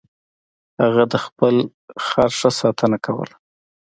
هغه د خپل خر ښه ساتنه کوله.